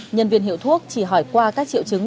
nhân viên hiệu thuốc chỉ hỏi qua các triệu chứng